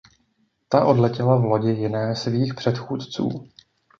Ta odletěla v lodi jiné svých předchůdců.